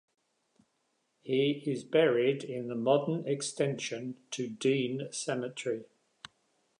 He is buried in the modern extension to Dean Cemetery.